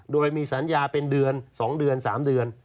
โดยมีสัญญาเป็นเดือน๒เดือน๓เดือน